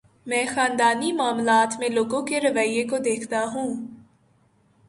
میں خاندانی معاملات میں لوگوں کے رویے کو دیکھتا ہوں۔